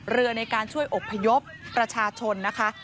เรือในการช่วยอบพยพประชาชนนะคะ